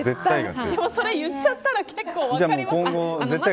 それ言っちゃったら今後、分かりますね。